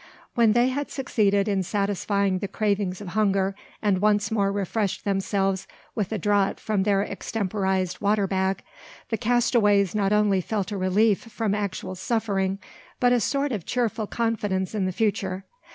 When they had succeeded in satisfying the cravings of hunger, and once more refreshed themselves with a draught from their extemporised water bag, the castaways not only felt a relief from actual suffering, but a sort of cheerful confidence in the future.